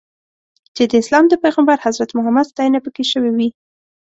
چې د اسلام د پیغمبر حضرت محمد ستاینه پکې شوې وي.